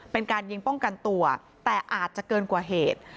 เป็นการยิงป้องกันตัวแต่อาจจะเกินกว่าเหตุ